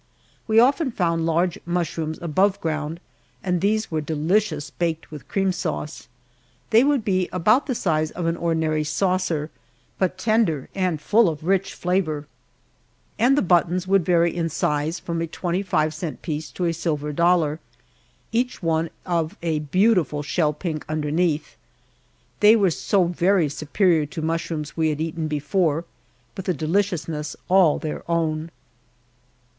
We often found large mushrooms above ground, and these were delicious baked with cream sauce. They would be about the size of an ordinary saucer, but tender and full of rich flavor and the buttons would vary in size from a twenty five cent piece to a silver dollar, each one of a beautiful shell pink underneath. They were so very superior to mushrooms we had eaten before with a deliciousness all their own.